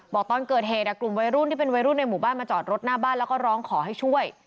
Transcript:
บอกตอนเกิดเหตุกลุ่มวัยรุ่นที่เป็นวัยรุ่นในหมู่บ้านมาจอดรถหน้าบ้านแล้วก็ร้องขอให้ช่วย